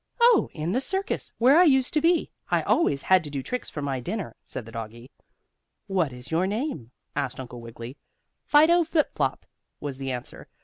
"Oh, in the circus where I used to be, I always had to do tricks for my dinner," said the doggie. "What is your name?" asked Uncle Wiggily. "Fido Flip Flop," was the answer.